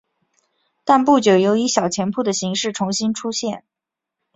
但不久有以小钱铺的形式重新出现。